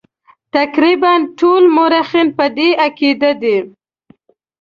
تقریبا ټول مورخین په دې عقیده دي.